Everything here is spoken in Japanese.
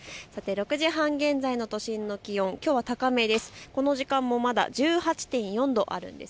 ６時半現在の都心の気温、きょうは高めです。